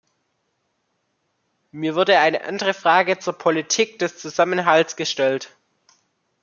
Mir wurde eine andere Frage zur Politik des Zusammenhalts gestellt.